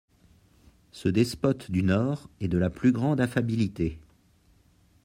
Ce despote du Nord est de la plus grande affabilité.